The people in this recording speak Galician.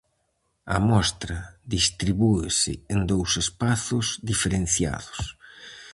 A mostra distribúese en dous espazos diferenciados.